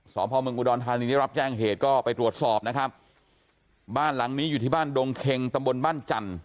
พ่อเมืองอุดรธานีได้รับแจ้งเหตุก็ไปตรวจสอบนะครับบ้านหลังนี้อยู่ที่บ้านดงเค็งตำบลบ้านจันทร์